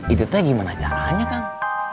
itu teh gimana caranya kang